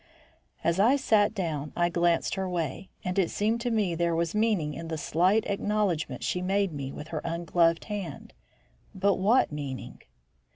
As I sat down, I glanced her way, and it seemed to me there was meaning in the slight acknowledgment she made me with her ungloved hand. But what meaning?